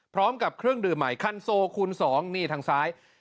พร้อมกับเครื่องดื่มใหม่คันโซคูณ๒นี่ทางซ้าย